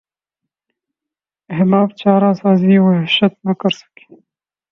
احباب چارہ سازی وحشت نہ کر سکے